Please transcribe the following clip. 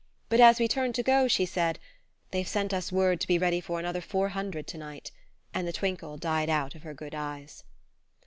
But as we turned to go she said: "They've sent us word to be ready for another four hundred to night"; and the twinkle died out of her good eyes.